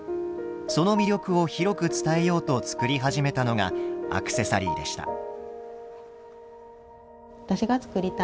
その魅力を広く伝えようと作り始めたのがアクセサリーでした。